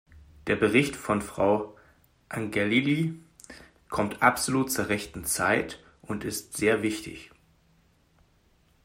Der Bericht von Frau Angelilli kommt absolut zur rechten Zeit und ist sehr wichtig.